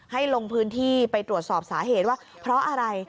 ลงพื้นที่ไปตรวจสอบสาเหตุว่าเพราะอะไร